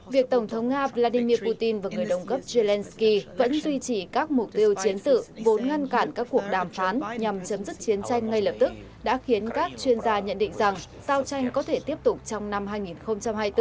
việc tổng thống nga vladimir putin và người đồng cấp zelenskyy vẫn duy trì các mục tiêu chiến sự vốn ngăn cản các cuộc đàm phán nhằm chấm dứt chiến tranh ngay lập tức đã khiến các chuyên gia nhận định rằng giao tranh có thể tiếp tục trong năm hai nghìn hai mươi bốn